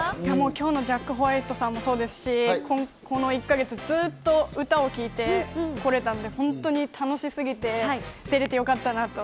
今日のジャック・ホワイトさんもそうですし、この１か月、ずっと歌を聴いてこられたので、本当に楽しすぎて、出れてよかったなと。